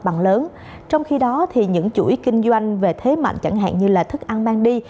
bằng lớn trong khi đó những chuỗi kinh doanh về thế mạnh chẳng hạn như thức ăn mang đi